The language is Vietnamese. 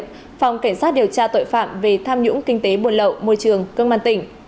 phòng cảnh sát điều tra tội phạm về tham nhũng kinh tế buồn lậu môi trường cơ quan tỉnh